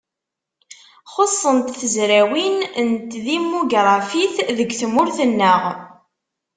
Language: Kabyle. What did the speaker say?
Xuṣṣent tezrawin n tedimugrafit deg tmurt-nneɣ.